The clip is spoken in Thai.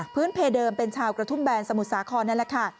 เพเดิมเป็นชาวกระทุ่มแบนสมุทรสาครนั่นแหละค่ะ